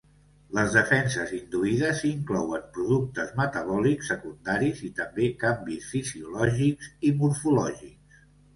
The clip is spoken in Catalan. Les defenses induïdes inclouen productes metabòlics secundaris i també canvis fisiològics i morfològics.